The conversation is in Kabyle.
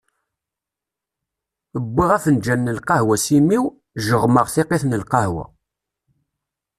Uwiɣ afenǧal n lqahwa s imi-w, jeɣmeɣ tiqqit n lqahwa.